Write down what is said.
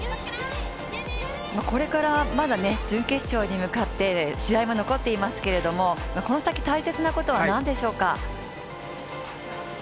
これからまだ準決勝に向かって試合は残っていますがこの先、大切なことは何でしょうか？